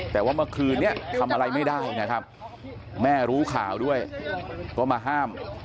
แต่ว่าเมื่อคืนนี้ทำอะไรไม่ได้นะครับแม่รู้ข่าวด้วยก็มาห้าม